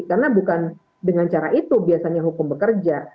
karena bukan dengan cara itu biasanya hukum bekerja